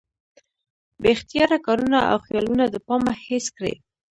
بې اختياره کارونه او خيالونه د پامه هېڅ کړي